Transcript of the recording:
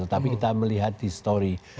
tapi kita melihat di setiap